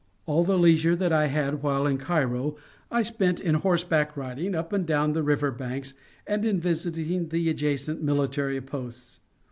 All the leisure that I had while in Cairo I spent in horseback riding up and down the river banks and in visiting the adjacent military posts.